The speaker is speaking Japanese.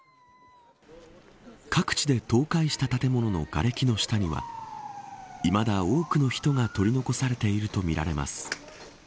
各地で倒壊した建物のがれきの下にはいまだ、多くの人が取り残されているとみられます。